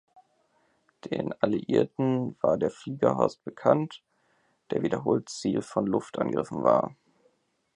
Den Alliierten war der Fliegerhorst bekannt, der wiederholt Ziel von Luftangriffen war.